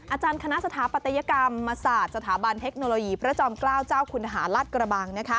อาจารย์คณะสถาปัตยกรรมศาสตร์สถาบันเทคโนโลยีพระจอมเกล้าเจ้าคุณหาราชกระบัง